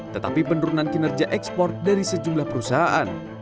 tetapi penurunan kinerja ekspor dari sejumlah perusahaan